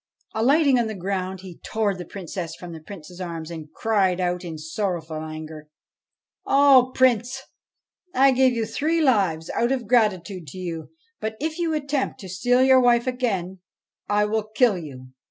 Alighting on the ground, he tore the Princess from the Prince's arms, and cried out in sorrowful anger, ' O Prince, I gave you three lives out of gratitude to you, but, if you attempt to steal your wife again, I will kill you.'